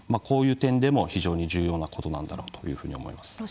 こういう点でも非常に重要なことなんだろうというふうに思います。